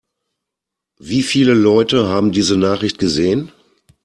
Wie viele Leute haben diese Nachricht gesehen?